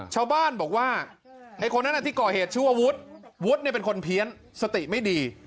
ชาวบ้านบอกว่าคนที่ก่อเหตุชื่อวุฒิวุฒิเป็นคนเพี้ยนสติไม่ดี